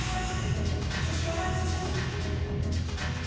はい。